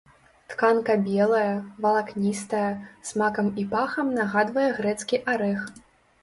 Тканка белая, валакністая, смакам і пахам нагадвае грэцкі арэх.